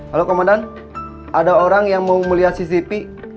kalau komandan ada orang yang mau melihat cctv